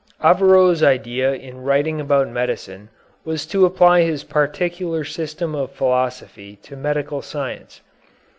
Averroës' idea in writing about medicine was to apply his particular system of philosophy to medical science.